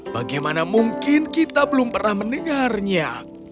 bagaimana mungkin kita belum pernah mendengarnya